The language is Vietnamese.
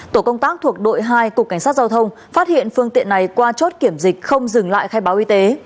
tổ công tác thuộc đội hai cục cảnh sát giao thông phát hiện phương tiện này qua chốt kiểm dịch không dừng lại khai báo y tế